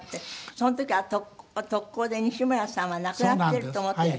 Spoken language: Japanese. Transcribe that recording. その時は特攻で西村さんは亡くなっていると思っていらしたのね。